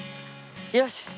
よし！